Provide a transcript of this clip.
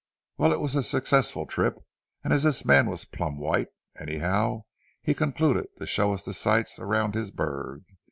Well, it was a successful trip, and as this man was plum white, anyhow, he concluded to show us the sights around his burg.